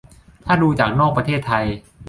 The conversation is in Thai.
ถ้าดูจากนอกประเทศไทย